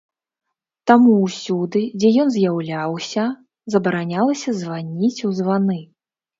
Таму ўсюды, дзе ён з'яўляўся, забаранялася званіць у званы.